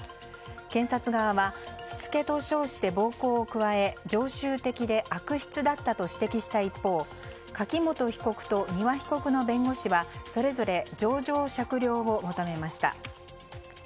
検察側はしつけと称して暴行を加え、常習的で悪質だったと指摘した一方柿本被告と丹羽被告の弁護士はそれぞれ情状酌量を求めました。